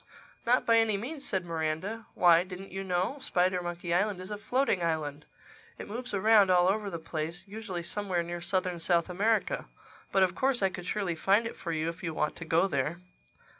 "Not by any means," said Miranda. "Why, didn't you know?—Spidermonkey Island is a floating island. It moves around all over the place—usually somewhere near southern South America. But of course I could surely find it for you if you want to go there."